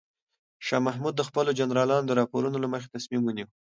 شاه محمود د خپلو جنرالانو د راپورونو له مخې تصمیم ونیو.